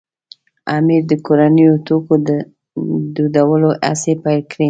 امیر د کورنیو توکو دودولو هڅې پیل کړې.